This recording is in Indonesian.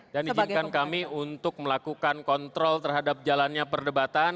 dan izinkan kami untuk melakukan kontrol terhadap jalannya perdebatan